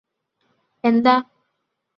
എന്താ